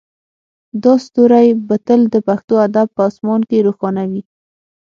دا ستوری به تل د پښتو ادب په اسمان کې روښانه وي